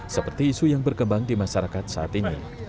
seperti isu yang berkembang di masyarakat saat ini